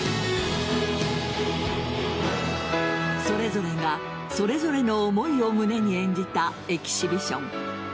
それぞれが、それぞれの思いを胸に演じたエキシビション。